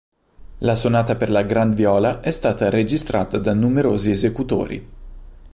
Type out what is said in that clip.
La sonata per la Grand Viola è stata registrata da numerosi esecutori.